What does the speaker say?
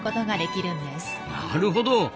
なるほど。